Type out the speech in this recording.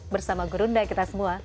bersama gurunda kita semua